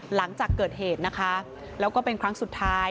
หลังจากเกิดเหตุนะคะแล้วก็เป็นครั้งสุดท้าย